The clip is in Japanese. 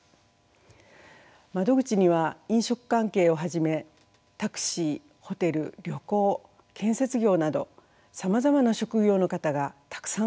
窓口には飲食関係をはじめタクシーホテル旅行建設業などさまざまな職業の方がたくさん来られました。